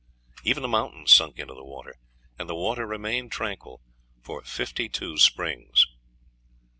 Even the mountains sunk into the water, and the water remained tranquil for fifty two springs.